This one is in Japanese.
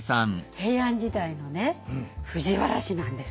平安時代のね藤原氏なんです。